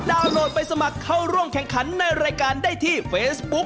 โหลดไปสมัครเข้าร่วมแข่งขันในรายการได้ที่เฟซบุ๊ค